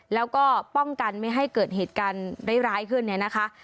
แล้วก็ป้องกันไม่ให้เกิดเหตุการณ์ร้ายขึ้นเนี่ยนะคะ